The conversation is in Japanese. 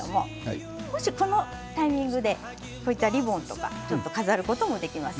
もし、このタイミングでこういったリボンとか飾ることもできます。